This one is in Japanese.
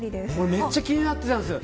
めっちゃ気になってたんですよ。